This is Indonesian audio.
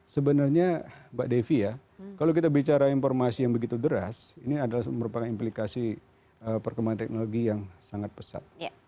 sebenarnya mbak devi ya kalau kita bicara informasi yang begitu deras ini adalah merupakan implikasi perkembangan teknologi yang sangat pesat